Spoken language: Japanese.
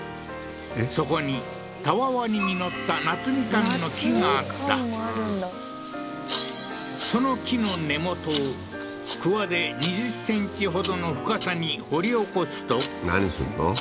そこにたわわに実った夏みかんの木があったその木の根元を鍬で２０ｃｍほどの深さに掘り起こすと何すんの？